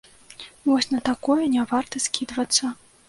Вось на такое не варта скідвацца.